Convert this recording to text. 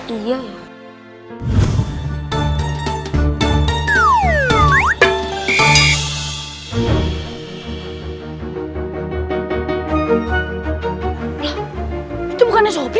loh itu bukannya sofi